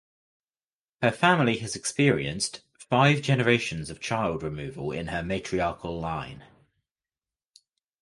Her family has experienced "five generations of child removal in her matriarchal line".